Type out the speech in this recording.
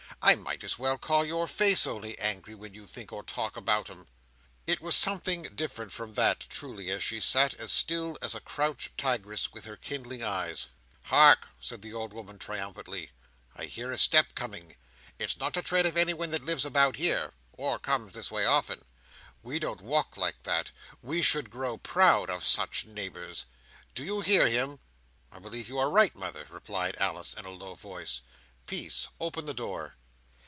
"I might as well call your face only angry, when you think or talk about 'em." It was something different from that, truly, as she sat as still as a crouched tigress, with her kindling eyes. "Hark!" said the old woman, triumphantly. "I hear a step coming. It's not the tread of anyone that lives about here, or comes this way often. We don't walk like that. We should grow proud on such neighbours! Do you hear him?" "I believe you are right, mother," replied Alice, in a low voice. "Peace! open the door."